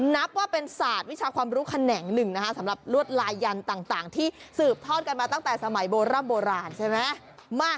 นับว่าเป็นศาสตร์วิชาความรู้แขนงหนึ่งนะคะสำหรับลวดลายยันต่างที่สืบทอดกันมาตั้งแต่สมัยโบร่ำโบราณใช่ไหม